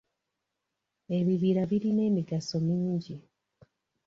Ebibira birina emigaso mingi.